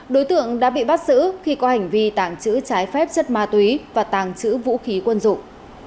đối tượng đã bị bắt giữ khi có hành vi tàng trữ trái phép chất ma túy và tàng trữ vũ khí quân dụng